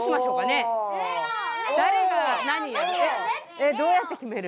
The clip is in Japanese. えっどうやってきめる？